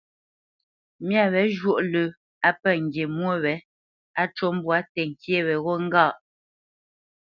Myâ wě zhwôʼ lə́ á pə̂ ŋgi mwô wě, á cû mbwǎ tənkyé wéghó ŋgâʼ.